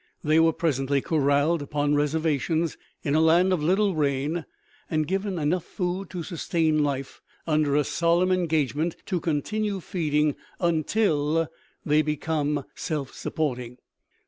They were presently corralled upon reservations in a land of little rain, and given enough food to sustain life, under a solemn engagement to continue feeding "until they became self supporting."